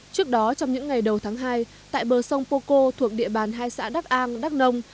trước đó trong những ngày đầu tháng hai tại bờ sông poco thuộc địa bàn hai xã đắc an đắc nông